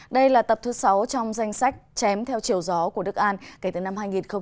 đây là tập thứ sáu trong danh sách chém theo chiều gió của đức an kể từ năm hai nghìn một mươi